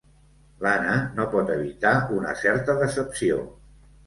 L'Anna no pot evitar una certa decepció.